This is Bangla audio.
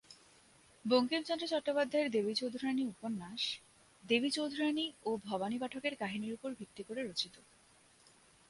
বঙ্কিমচন্দ্র চট্টোপাধ্যায়ের দেবী চৌধুরাণী উপন্যাস দেবী চৌধুরাণী ও ভবানী পাঠকের কাহিনীর উপর ভিত্তি করে রচিত।